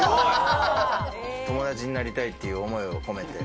友達になりたいという思いを込めて。